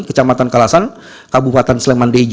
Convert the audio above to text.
kecamatan kalasan kabupaten sleman deja